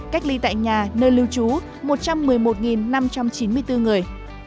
cách ly tại nhà nơi lưu trú một trăm một mươi một năm trăm chín mươi bốn người